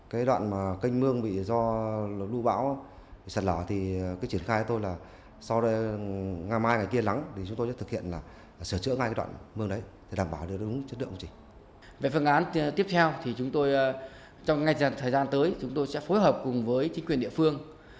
về phương án tiếp theo trong ngay thời gian tới chúng tôi sẽ phối hợp cùng với chính quyền địa phương